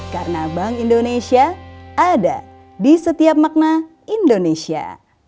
karena bank indonesia ada di setiap makna indonesia